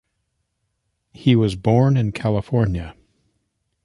He was born in California.